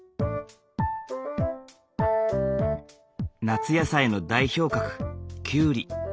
夏野菜の代表格キュウリ。